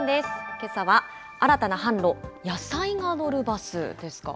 けさは、新たな販路、野菜が乗るバスですか。